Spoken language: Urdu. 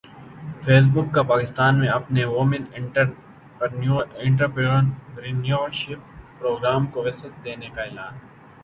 فیس بک کا پاکستان میں اپنے وومن انٹرپرینیورشپ پروگرام کو وسعت دینے کا اعلان